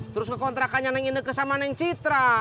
terus ke kontrakan yang neng ineke sama neng citra